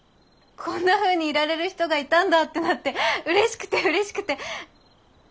「こんなふうにいられる人がいたんだ」ってなって嬉しくて嬉しくて。